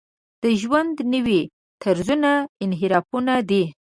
د ژوند نوي طرزونه انحرافونه دي.